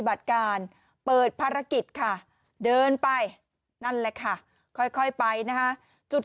บัตรการเปิดภารกิจค่ะเดินไปนั่นแหละค่ะค่อยค่อยไปนะคะจุด